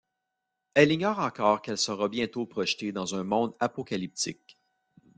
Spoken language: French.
Elle ignore encore qu'elle sera bientôt projetée dans un monde apocalyptique.